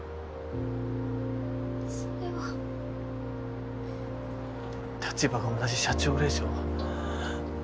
それは立場が同じ社長令嬢？